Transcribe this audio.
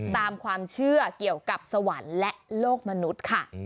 ตามความเชื่อเกี่ยวกับสวรรค์และโลกมนุษย์ค่ะ